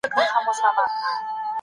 اسلام انسان ته د ازادۍ حق ورکوي.